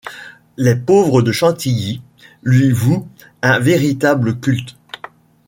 Les pauvres de Chantilly lui vouent un véritable culte.